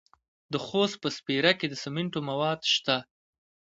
د خوست په سپیره کې د سمنټو مواد شته.